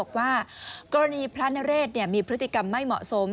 บอกว่ากรณีพระนเรศมีพฤติกรรมไม่เหมาะสม